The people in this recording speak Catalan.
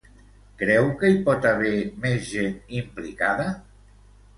Creu que hi pot haver més gent implicada?